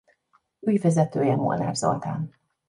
Ügyvezetője Molnár Zoltán.